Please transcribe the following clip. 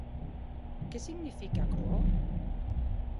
Qué signifique aquerò?